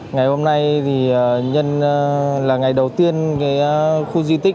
ngày hôm nay thì là ngày đầu tiên khu di tích